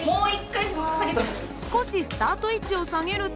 少しスタート位置を下げると。